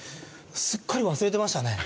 すっかり忘れてましたね。